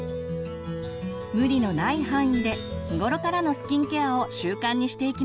無理のない範囲で日頃からのスキンケアを習慣にしていきましょう。